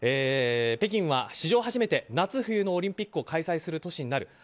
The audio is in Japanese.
北京は史上初めて夏冬のオリンピックを開催する都市になる。